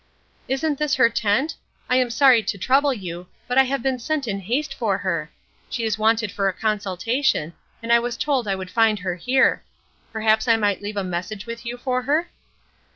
"Isn't this her tent? I am sorry to trouble you, but I have been sent in haste for her. She is wanted for a consultation, and I was told I would find her here. Perhaps I might leave a message with you for her?"